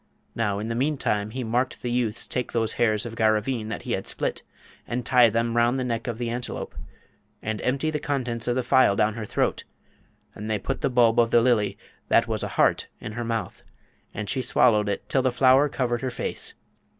Now, in the meantime he marked the youths take those hairs of Garraveen that he had split, and tie them round the neck of the Antelope, and empty the contents of the phial down her throat; and they put the bulb of the Lily, that was a heart, in her mouth, and she swallowed it till the flower covered her face.